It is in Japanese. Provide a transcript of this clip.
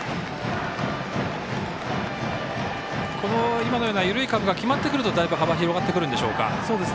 今のような緩いカーブが決まってくるとだいぶ幅は広がってくるんでしょうか？